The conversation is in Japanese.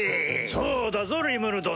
そうだぞリムル殿。